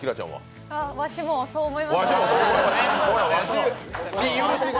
ワシもそう思います。